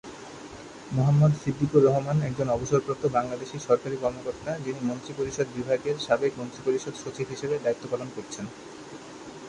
মোহাম্মদ সিদ্দিকুর রহমান একজন অবসরপ্রাপ্ত বাংলাদেশি সরকারি কর্মকর্তা যিনি মন্ত্রিপরিষদ বিভাগের সাবেক মন্ত্রিপরিষদ সচিব হিসেবে দায়িত্ব পালন করছেন।